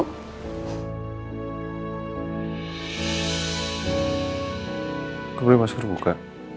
aku beli masker muka